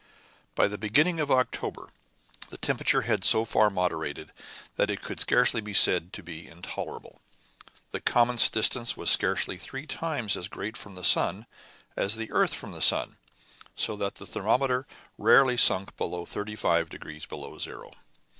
By the beginning of October, the temperature had so far moderated that it could scarcely be said to be intolerable. The comet's distance was scarcely three times as great from the sun as the earth from the sun, so that the thermometer rarely sunk beyond 35 degrees below zero.